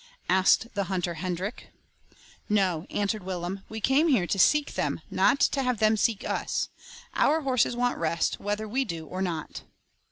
asked the hunter Hendrik. "No," answered Willem, "we came here to seek them, not to have them seek us. Our horses want rest, whether we do or not."